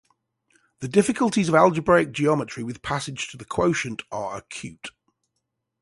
The difficulties of algebraic geometry with passage to the quotient are acute.